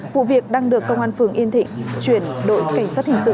vụ việc đang được công an phường yên thịnh chuyển đội cảnh sát hình sự